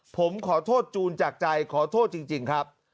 ผมขอโทษจูนจากใจขอโทษจริงครับ